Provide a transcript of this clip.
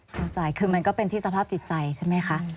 เข้าใจคือมันก็เป็นที่สภาพจิตใจใช่ไหมคะ